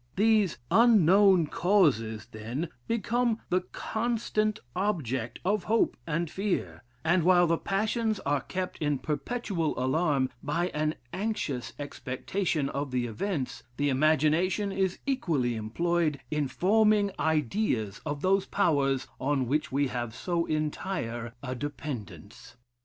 These unknown causes, then, become the constant object of hope and fear; and while the passions are kept in perpetual alarm by an anxious expectation of the events, the imagination is equally employed in forming ideas of those powers on which we have so entire a dependence.